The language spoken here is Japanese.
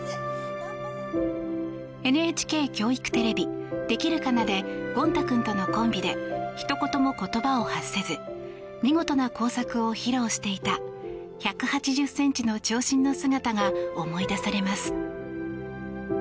ＮＨＫ教育テレビ「できるかな」でゴン太くんとのコンビでひと言も言葉を発さず見事な工作を披露していた１８０ｃｍの長身の姿が思い出されます。